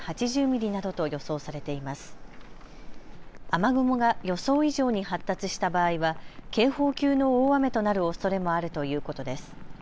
雨雲が予想以上に発達した場合は警報級の大雨となるおそれもあるということです。